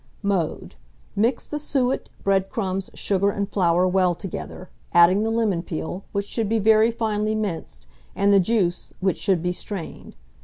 Mode. Mix the suet, bread crumbs, sugar, and flour well together, adding the lemon peel, which should be very finely minced, and the juice, which should be strained.